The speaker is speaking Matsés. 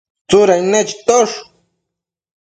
Tsudain nechitosh